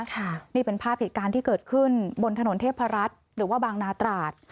ค่ะนี่เป็นภาพเหตุการณ์ที่เกิดขึ้นบนถนนเทพรัฐหรือว่าบางนาตราด